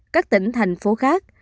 các tỉnh thành phố khác